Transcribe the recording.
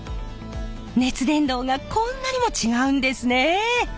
熱伝導がこんなにも違うんですね。